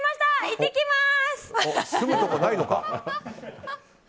いってきます！